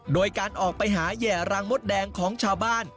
โดยการออกไปหาแห่รังมดแดงของชาวบ้าน